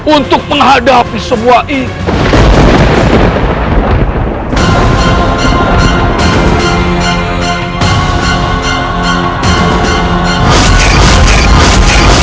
untuk menghadapi semua ini